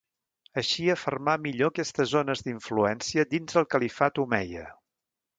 Així afermà millor aquestes zones d'influència dins el califat omeia.